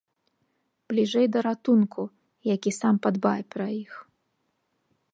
Бліжэй да ратунку, які сам падбае пра іх.